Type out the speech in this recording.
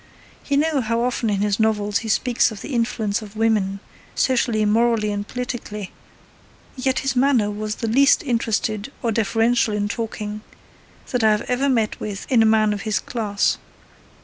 You know how often in his novels he speaks of the influence of women, socially, morally, and politically, yet his manner was the least interested or deferential in talking that I have ever met with in a man of his class.